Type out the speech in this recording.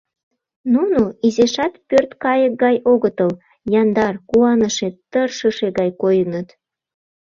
Нуно изишат пӧрткайык гай огытыл, яндар, куаныше, тыршыше гай койыныт.